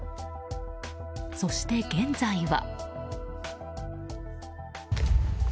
そして、現在は。